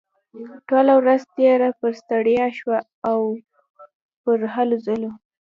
ټوله ورځ تېره پر ستړيا شوه او پر هلو ځلو.